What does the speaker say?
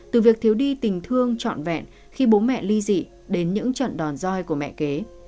từ việc thiếu đi tình thương trọn vẹn khi bố mẹ ly dị đến những trận đòn roi của mẹ kế